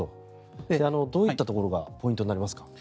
どういったところがポイントになりますか？